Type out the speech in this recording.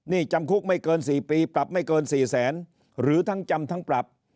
นี่จำคุกไม่เกิน๔ปีปรับไม่เกิน๔แสนหรือทั้งจำทั้งปรับ